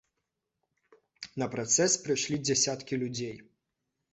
На працэс прыйшлі дзясяткі людзей.